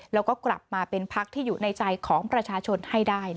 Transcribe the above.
แล้วก็กลับมาเป็นพักที่อยู่ในใจของประชาชนให้ได้